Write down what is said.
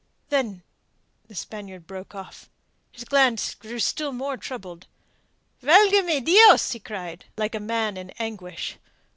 "Then...." The Spaniard broke off. His glance grew still more troubled. "Valga me Dios!" he cried out, like a man in anguish.